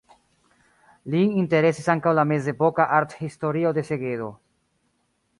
Lin interesis ankaŭ la mezepoka arthistorio de Segedo.